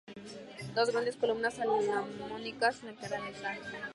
Dos grandes columnas salomónicas flanquean el altar.